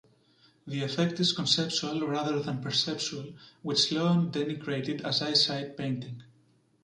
The effect is conceptual rather than perceptual, which Sloan denigrated as eyesight painting.